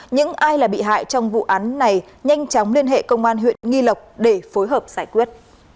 những ai là bị hại trong vụ án này nhanh chóng liên hệ công an huyện nghi lộc để phối hợp giải quyết